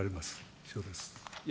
以上です。